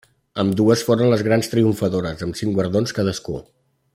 Ambdues foren les grans triomfadores, amb cinc guardons cadascú.